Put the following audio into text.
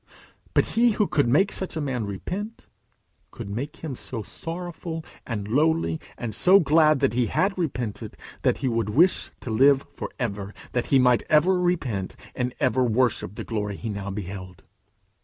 But he who could make such a man repent, could make him so sorrowful and lowly, and so glad that he had repented, that he would wish to live ever that he might ever repent and ever worship the glory he now beheld.